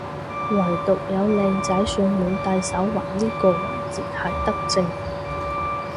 惟獨有靚仔上門戴手環呢個環節係德政